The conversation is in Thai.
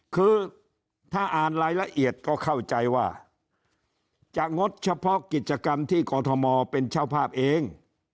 คือถ้าอ่านรายละเอียดก็เข้าใจว่าจะงดเฉพาะกิจกรรมที่กรทมเป็นเจ้าภาพเอง